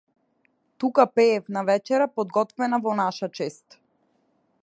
Тука пеев на вечера подготвена во наша чест.